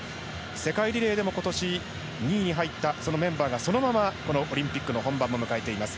世界リレーでも今年２位に入ったメンバーがそのままオリンピックの本番を迎えています。